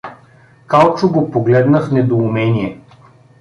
Калчо го погледна в недоумение.